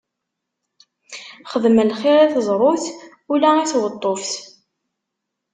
Xdem lxiṛ i teẓrut, ula i tweṭṭuft!